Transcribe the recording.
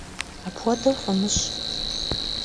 Apxuedeu fımış'!